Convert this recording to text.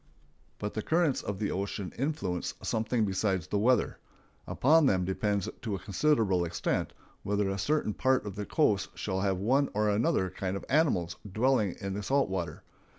But the currents of the ocean influence something besides the weather. Upon them depends to a considerable extent whether a certain part of the coast shall have one or another kind of animals dwelling in the salt water.